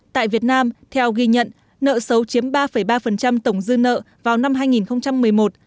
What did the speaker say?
tại việt nam theo ghi nhận nợ xấu chiếm ba ba tổng dư nợ vào năm hai nghìn một mươi một